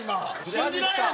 信じられへん！